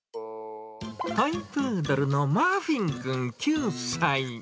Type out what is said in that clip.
トイプードルのマフィンくん９歳。